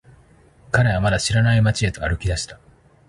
彼はまだ知らない街へと歩き出した。